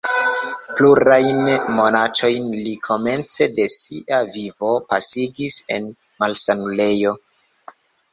Plurajn monatojn li komence de sia vivo pasigis en malsanulejo.